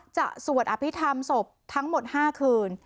สวดอภิษฐรรมศพทั้งหมด๕คืน